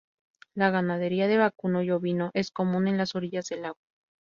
La ganadería de vacuno y ovino es común en las orillas del lago.